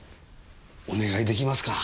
お願い出来ますか？